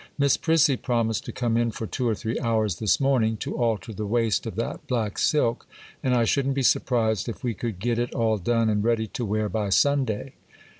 Miss Prissy promised to come in for two or three hours this morning, to alter the waist of that black silk, and I shouldn't be surprised if we could get it all done and ready to wear by Sunday.